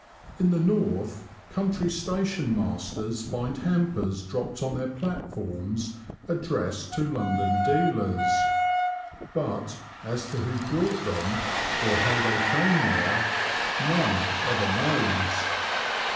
In the north, country station masters find hampers dropped on their plat The Confessions of a T^oacher, 113 forms addressed to London dealers, but, as to who brought them, or how they came there, none ever knows.